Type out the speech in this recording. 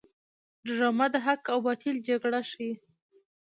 ډرامه د حق او باطل جګړه ښيي